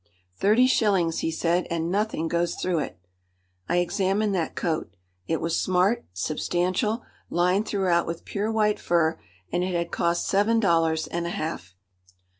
"Thirty shillings," he said, "and nothing goes through it!" I examined that coat. It was smart, substantial, lined throughout with pure white fur, and it had cost seven dollars and a half.